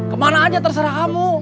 kemana aja terserah kamu